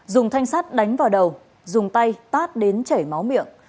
dùng thanh sắt đánh vào đầu dùng tay tát đến chảy máu miệng